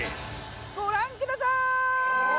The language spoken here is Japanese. ご覧ください。